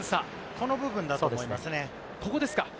この部分だと思いますね。